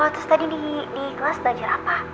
terus tadi di kelas belajar apa